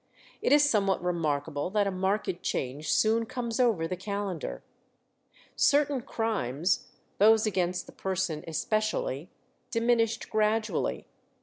It is somewhat remarkable that a marked change soon comes over the Calendar. Certain crimes, those against the person especially, diminished gradually.